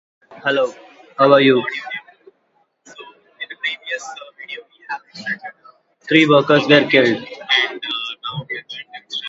Three workers were killed.